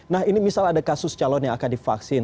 nah ini misal ada kasus calon yang akan divaksin